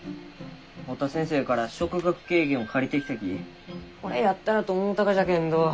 堀田先生から「植学啓原」を借りてきたきこれやったらと思うたがじゃけんど。